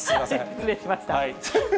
失礼しました。